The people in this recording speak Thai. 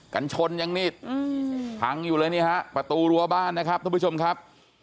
กันชนยังนิดพังอยู่เลยนี่ฮะประตูรั้วบ้านนะครับท่านผู้ชมครับ